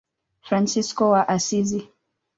Fransisko wa Asizi.